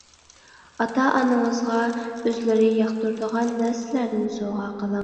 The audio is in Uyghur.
ئاتا-ئانىڭىزغا ئۆزلىرى ياقتۇرىدىغان نەرسىلەردىن سوۋغا قىلىڭ.